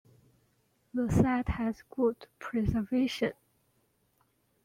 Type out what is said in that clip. The site has good preservation.